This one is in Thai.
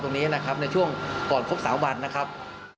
ตรงนี้นะครับในช่วงก่อนครบ๓วันนะครับ